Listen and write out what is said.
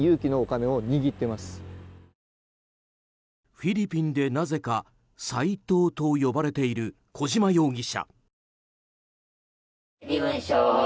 フィリピンでなぜかサイトウと呼ばれている小島容疑者。